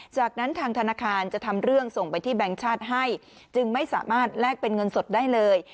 จากนั้นทางธนาคารจะทำเรื่องส่งไปที่แบงค์ชาติให้จึงไม่สามารถแลกเป็นเงินสดได้เลย